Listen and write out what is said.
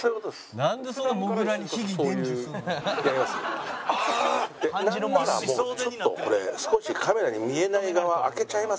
なんならもうちょっとこれ少しカメラに見えない側開けちゃいます